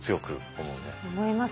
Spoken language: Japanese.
思いますね。